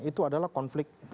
itu adalah konflik